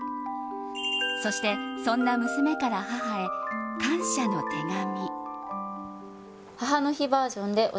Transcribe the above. そして、そんな娘から母へ感謝の手紙。